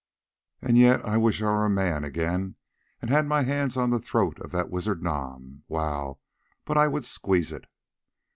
And yet I wish I were a man again and had my hands on the throat of that wizard Nam. Wow! but I would squeeze it."